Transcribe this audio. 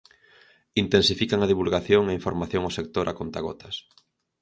Intensifican a divulgación e a información ao sector a contagotas.